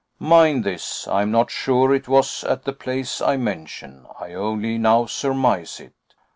Mind this, I am not sure it was at the place I mention; I only now surmise it.